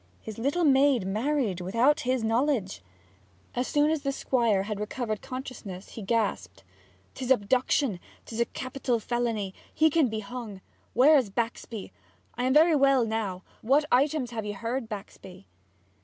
His little maid married without his knowledge!' As soon as the Squire recovered consciousness he gasped: ''Tis abduction! 'Tis a capital felony! He can be hung! Where is Baxby? I am very well now. What items have ye heard, Baxby?'